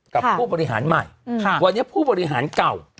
กับผู้บริหารใหม่วันนี้ผู้บริหารเก่า